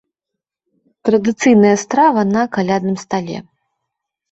Традыцыйная страва на калядным стале.